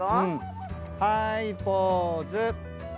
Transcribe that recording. はいポーズ。